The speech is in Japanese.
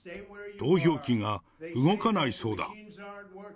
投票機が動かないそうだ。